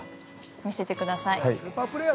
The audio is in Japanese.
◆見せてください。